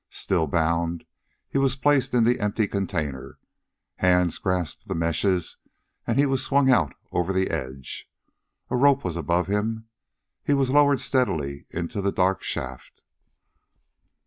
Still bound, he was placed in the empty container. Hands grasped the meshes, and he was swung out over the edge. A rope was above him: he was lowered steadily into the dark shaft.